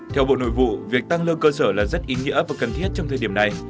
theo bộ nội vụ việc tăng lương cơ sở là rất ý nghĩa và cần thiết trong thời điểm này